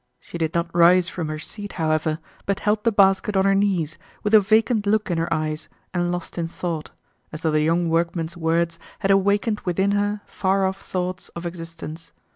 She did not rise from her seat however, but held the basket on her knees, with a vacant look in her eyes and lost in thought, as though the young workman's words had awakened within her far off thoughts of existence.